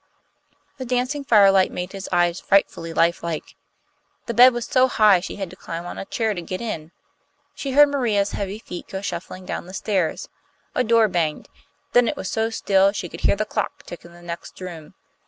The dancing firelight made his eyes frightfully lifelike. The bed was so high she had to climb on a chair to get in. She heard Maria's heavy feet go shuffling down the stairs. A door banged. Then it was so still she could hear the clock tick in the next room.